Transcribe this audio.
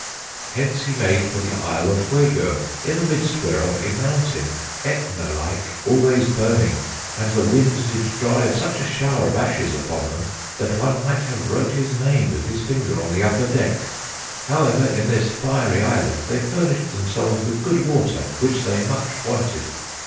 "Hence he made for the Isle of Fuego, in the midst whereof a Mountaine, Ætna like, always burning; and the wind did drive such a shower of ashes upon them, that one might have wrote his name with his finger on the upper deck. However, in this fiery Island, they furnished themselves with good water, which they much wanted.